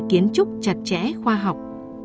kiến trúc chặt chẽ khoa học